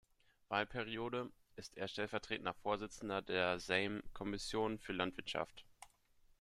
Wahlperiode ist er stellvertretender Vorsitzender der Sejm-Kommission für Landwirtschaft.